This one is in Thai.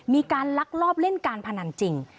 ลักลอบเล่นการพนันจริง